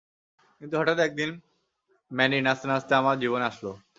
কিন্তু হঠাৎ একদিন, ম্যানি নাচতে নাচতে আমার জীবনে আসলো।